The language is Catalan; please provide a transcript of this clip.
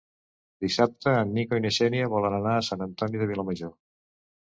Dissabte en Nico i na Xènia volen anar a Sant Antoni de Vilamajor.